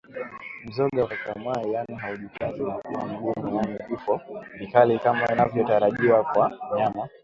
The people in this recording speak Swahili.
Mzoga haukakamai yaani haujikazi na kuwa mgumu yaani vifo vikali kama inavyotarajiwa kwa mnyama